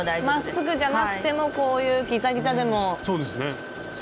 まっすぐじゃなくてもこういうギザギザでも。